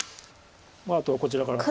あとはこちらから。